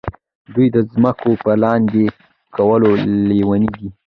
دوی د ځمکو په لاندې کولو لیوني دي.